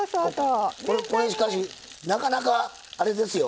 これ、しかしなかなかあれですよ。